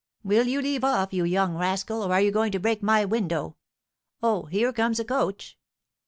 "Will you leave off, you young rascal, or are you going to break my window? Oh, here comes a coach!"